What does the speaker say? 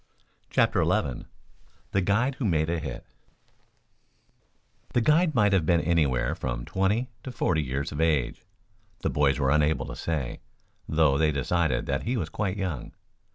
CHAPTER XI THE GUIDE WHO MADE A HIT The guide might have been anywhere from twenty to forty years of age. The boys were unable to say, though they decided that he was quite young.